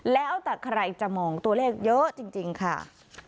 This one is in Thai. แล้วแต่ใครจะมองตัวเลขเยอะจริงค่ะ